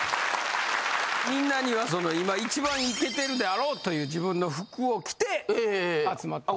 みんなにはその一番イケてるであろうという自分の服を着て集まって。